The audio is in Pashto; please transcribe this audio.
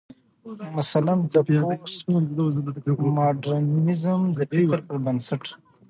مثلا: د پوسټ ماډرنيزم د فکر پر بنسټ